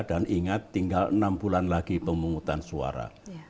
dan ingat tinggal enam bulan lagi pemungutan suara